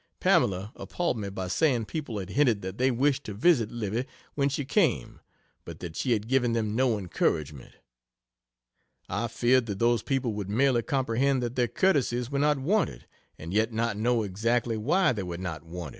Pamela appalled me by saying people had hinted that they wished to visit Livy when she came, but that she had given them no encouragement. I feared that those people would merely comprehend that their courtesies were not wanted, and yet not know exactly why they were not wanted.